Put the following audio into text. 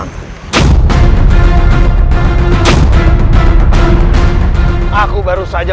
maju terus ke sana